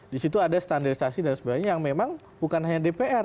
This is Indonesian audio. di situ ada standarisasi dan sebagainya yang memang bukan hanya dpr